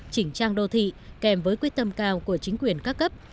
chỉnh trang đô thị kèm với quyết tâm cao của chính quyền các cấp